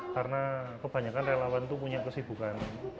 karena kebanyakan relawan itu punya kesibukan